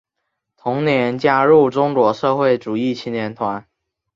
同年加入中国社会主义青年团。